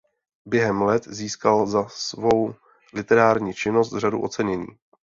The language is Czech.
Během let získal za svou literární činnost řadu ocenění.